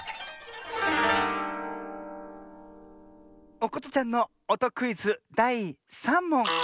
おことちゃんのおとクイズだい３もん。